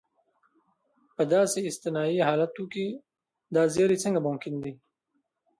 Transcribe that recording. په داسې استثنایي حالتو کې دا زیری څنګه ممکن دی.